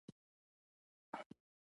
ځنګلونه د سیلاب مخه نیسي.